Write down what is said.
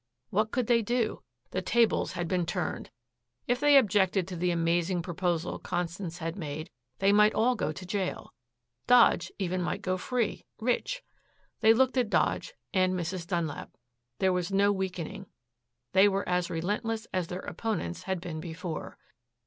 What could they do? The tables had been turned. If they objected to the amazing proposal Constance had made they might all go to jail. Dodge even might go free, rich. They looked at Dodge and Mrs. Dunlap. There was no weakening. They were as relentless as their opponents had been before.